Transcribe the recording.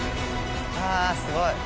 わあすごい。